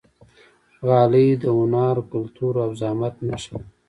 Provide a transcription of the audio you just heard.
غالۍ د هنر، کلتور او زحمت نښه ده.